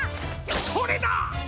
それだ！